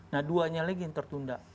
nah duanya lagi yang tertunda